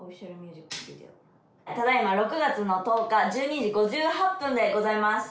ただいま６月の１０日１２時５８分でございます。